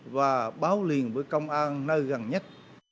và báo liền với công an nơi gần nhất